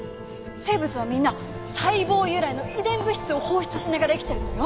生物はみんな細胞由来の遺伝物質を放出しながら生きてるのよ。